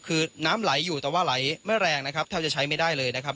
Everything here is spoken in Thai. คือน้ำไหลอยู่แต่ว่าไหลไม่แรงนะครับแทบจะใช้ไม่ได้เลยนะครับ